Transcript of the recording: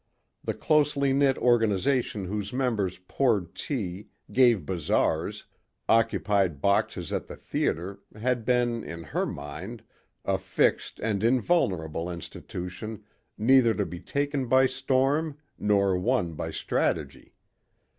The closely knit organization whose members poured tea, gave bazaars, occupied boxes at the theater had been, in her mind, a fixed and invulnerable institution neither to be taken by storm nor won by strategy.